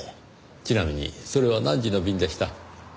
ちなみにそれは何時の便でした？